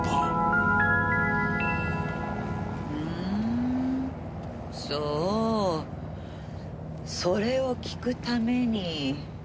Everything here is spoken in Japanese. ふんそうそれを聞くために。